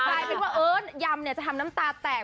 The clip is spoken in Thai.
กลายเป็นว่าเอิ้นยำจะทำน้ำตาแตก